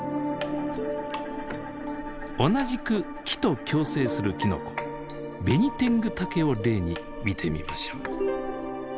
同じく木と共生するきのこベニテングタケを例に見てみましょう。